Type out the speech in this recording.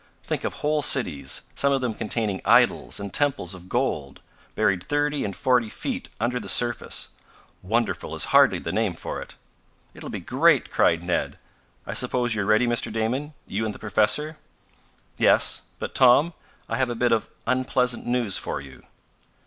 Think of whole cities, some of them containing idols and temples of gold, buried thirty and forty feet under the surface! Wonderful is hardly the name for it!" "It'll be great!" cried Ned. "I suppose you're ready, Mr. Damon you and the professor?" "Yes. But, Tom, I have a bit of unpleasant news for you."